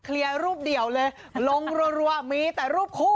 รูปเดียวเลยลงรัวมีแต่รูปคู่